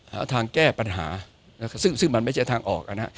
หาทางแก้ปัญหาซึ่งมันไม่ใช่ทางออกนะฮะ